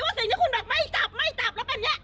สิ่งที่คุณแบบไม่จับไม่จับแล้วกันเนี่ย